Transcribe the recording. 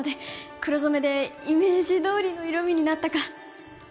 黒染めでイメージどおりの色みになったか